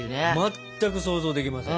全く想像できません。